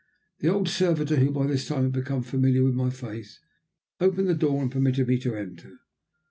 The old servitor, who by this time had become familiar with my face, opened the door and permitted me to enter.